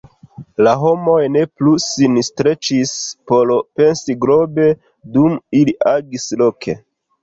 La homoj ne plu sin streĉis por pensi globe dum ili agis loke.